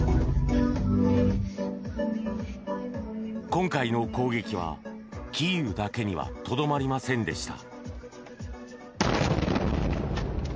今回の攻撃はキーウだけにはとどまりませんでした。